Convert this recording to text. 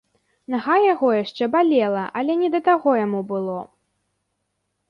Нага яго яшчэ балела, але не да таго яму было.